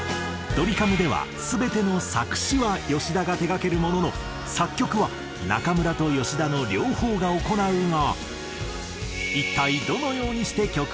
ドリカムでは全ての作詩は吉田が手がけるものの作曲は中村と吉田の両方が行うが